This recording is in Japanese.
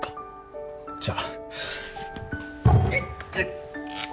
じゃあ。